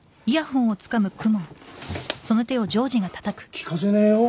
聞かせねえよ